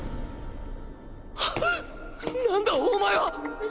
ハッ何だお前は！？